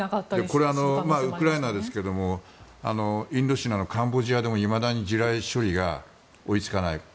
これはウクライナですがインドシナのカンボジアでもいまだに地雷処理が追いつかない。